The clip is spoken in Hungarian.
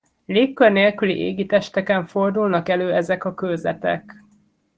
Légkör nélküli égitesteken fordulnak elő ezek a kőzetek.